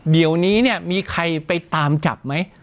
เดี๋ยวนี้เนี่ยมีใครไปตามจับไหม